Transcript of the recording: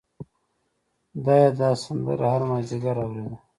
دای دا سندره هر مازدیګر اورېده.